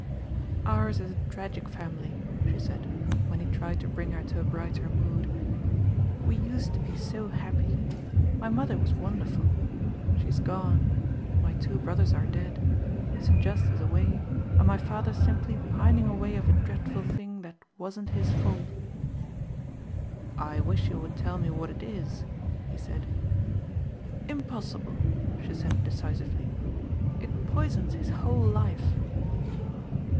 "Ours is a tragic family," she said, when he tried to bring her to a brighter mood. "We used to be so happy. My mother was wonderful. She is gone, my two brothers are dead, St. Just is away and my father simply pining away of a dreadful thing that wasn't his fault." "I wish you would tell me what it is," he said. "Impossible," she said decisively. "It poisons his whole life."